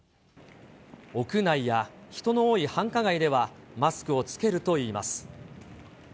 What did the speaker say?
屋内や人の多い繁華街ではマスクを着けるといいます。